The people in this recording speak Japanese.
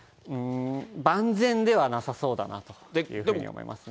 万全ではなさそうだなというふうに思いますね。